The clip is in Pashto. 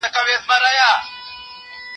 زه پرون د سبا لپاره د هنرونو تمرين کوم!